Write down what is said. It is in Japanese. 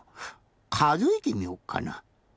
かぞえてみよっかな。